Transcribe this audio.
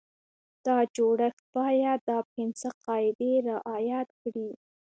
دا جوړښت باید دا پنځه قاعدې رعایت کړي.